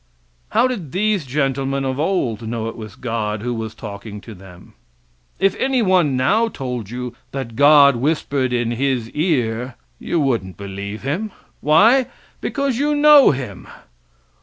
How did these gentlemen of old know it was God who was talking to them? If anyone now told you that God whispered in his ear, you wouldn't believe him. Why? Because you know him.